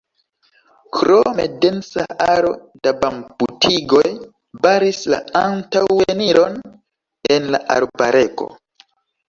Krome densa aro da bambutigoj baris la antaŭeniron en la arbarego.